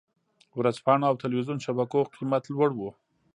ورځپاڼو او ټلویزیون شبکو قېمت لوړ و.